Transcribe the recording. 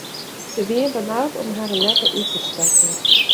Se wienen benaud om harren nekke út te stekken.